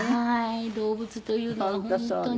動物というのは本当に。